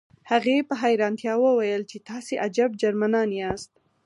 هغې په حیرانتیا وویل چې تاسې عجب جرمنان یاست